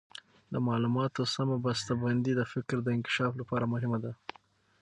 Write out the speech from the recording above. د معلوماتو سمه بسته بندي د فکر د انکشاف لپاره مهمه ده.